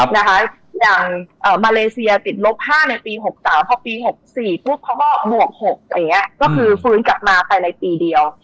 อย่างมาเลเซียติดลบ๕ในปี๖๓พอปี๖๔เขาก็หมวก๖ก็คือฟื้นกลับมาไปในปีเดียว